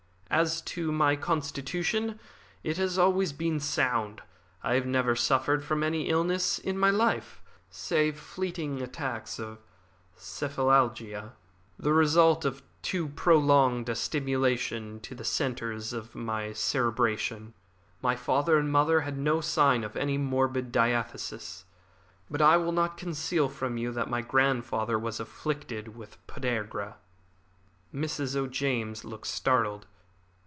As to my constitution, it has always been sound. I have never suffered from any illness in my life, save fleeting attacks of cephalalgia, the result of too prolonged a stimulation of the centres of cerebration. My father and mother had no sign of any morbid diathesis, but I will not conceal from you that my grandfather was afflicted with podagra." Mrs. O'James looked startled.